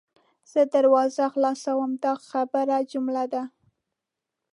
زه دروازه خلاصوم – دا خبریه جمله ده.